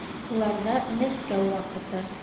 Уларҙа Мәскәү ваҡыты